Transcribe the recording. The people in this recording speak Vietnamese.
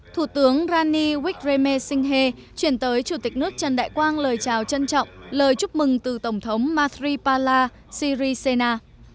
thủ tướng rani wickreme singhe chuyển tới chủ tịch nước trần đại quang lời chào trân trọng lời chúc mừng từ tổng thống mathri pala sri sena